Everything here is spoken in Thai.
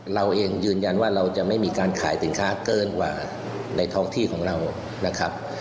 เราเองยืนยันว่าเราจะไม่มีการขายสินค้าเกินกว่าในท้องที่ของเรานะครับ